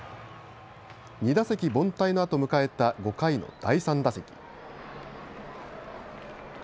２打席凡退のあと迎えた５回の第３打席。